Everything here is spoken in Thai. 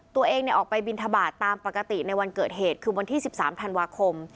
ตัวเองออกไปบินทบาทตามปกติในวันเกิดเหตุคือวันที่๑๓ธันวาคม